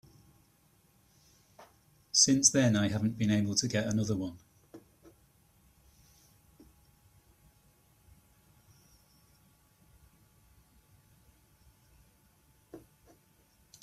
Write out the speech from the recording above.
Since then I haven't been able to get another one.